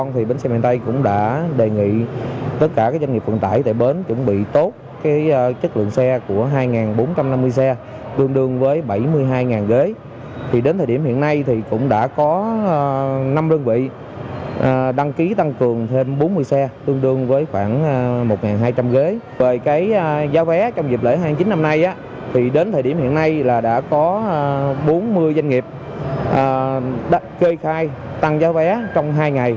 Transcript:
thì đến thời điểm hiện nay là đã có bốn mươi doanh nghiệp kê khai tăng giá vé trong hai ngày